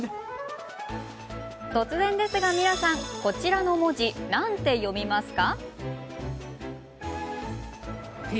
突然ですが皆さん、こちらの２文字何て読みますか？